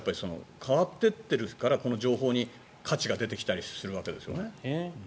変わっていっているから情報に価値が出てきたりするわけですよね。